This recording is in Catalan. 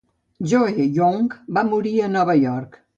Joe Young va morir a Nova York.